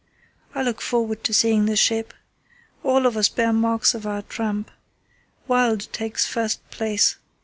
"I look forward to seeing the ship. All of us bear marks of our tramp. Wild takes first place.